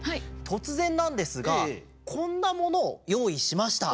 とつぜんなんですがこんなものをよういしました。